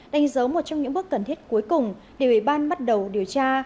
đánh dấu một trong những bước cần thiết cuối cùng để ủy ban bắt đầu điều tra